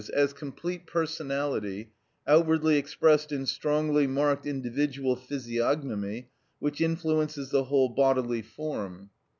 _, as complete personality, outwardly expressed in strongly marked individual physiognomy, which influences the whole bodily form.